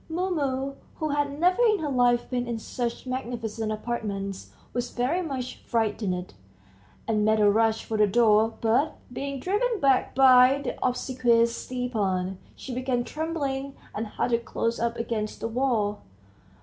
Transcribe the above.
Mumu, who had never in her life been in such magnificent apartments, was very much frightened, and made a rush for the door, but, being driven back by the obsequious Stepan, she began trembling, and huddled close up against the wall.